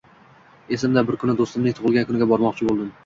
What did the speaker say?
Esimda, bir kuni do’stimning tug’ilgan kuniga bormoqchi bo’ldim.